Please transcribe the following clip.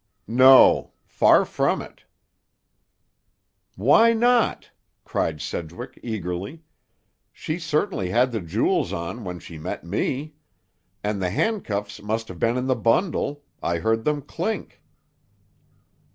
"No. Far from it." "Why not?" cried Sedgwick eagerly. "She certainly had the jewels on when she met me. And the handcuffs must have been in the bundle. I heard them clink."